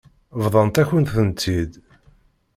Bḍan-akent-tent-id.